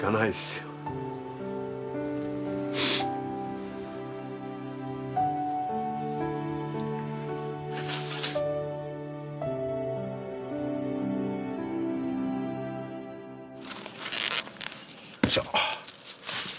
よいしょ。